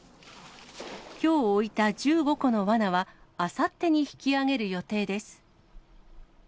きょう置いた１５個のわなは、あさってに引き上げる予定です。